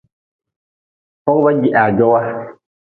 Fogʼba jeha jowa.